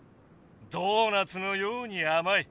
ドーナツのようにあまい。